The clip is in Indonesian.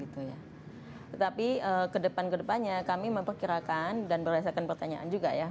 tetapi ke depan kedepannya kami memperkirakan dan berdasarkan pertanyaan juga ya